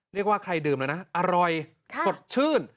เรียกว่าใครดื่มแล้วนะอร่อยสดชื่น